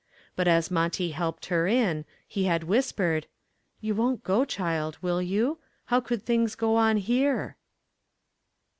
But as Monty helped her in, he had whispered, "You won't go, child, will you? How could things go on here?"